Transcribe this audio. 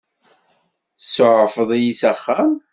Tsuɛfeḍ-iyi s axxam.